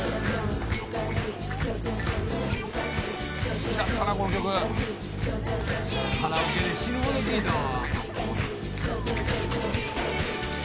「好きだったなこの曲」「カラオケで死ぬほど聴いたわ」